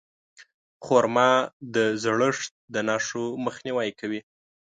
خرما د زړښت د نښو مخنیوی کوي.